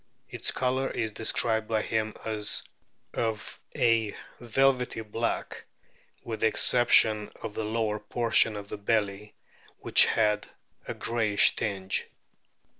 Its colour is described by him as of a velvety black, with the exception of the lower portion of the belly, which had a greyish tinge.